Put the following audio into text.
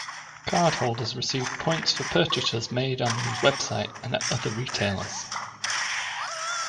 Cardholders received points for purchases made on the website and at other retailers.